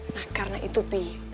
nah karena itu pi